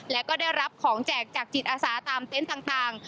และก็ได้รับของแจกจากจิตอาสาตามเต็นต์ต่าง